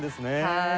はい。